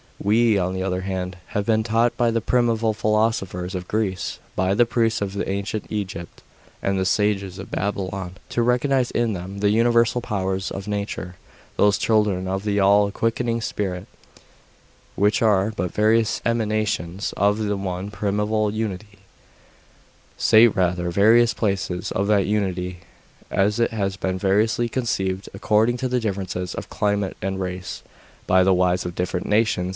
We, on the other hand, have been taught by the primeval philosophers of Greece, by the priests of ancient Egypt, and the sages of Babylon, to recognise in them the universal powers of nature, those children of the all quickening spirit, which are but various emanations of the one primeval unity say rather, various phases of that unity, as it has been variously conceived, according to the differences of climate and race, by the wise of different nations.